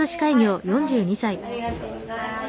ありがとうございます。